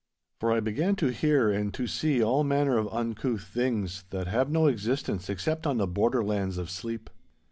For I began to hear and to see all manner of uncouth things, that have no existence except on the borderlands of sleep.